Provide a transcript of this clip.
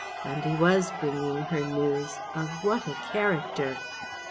And he was bringing her news of what a character!